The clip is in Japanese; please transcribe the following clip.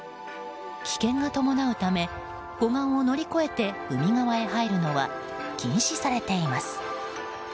危険が伴うため護岸を乗り越えて海側へ入るのは禁止されています。